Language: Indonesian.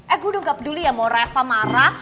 eh gue udah gak peduli ya mau raiva marah